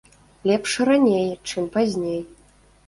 Лепш раней, чым пазней.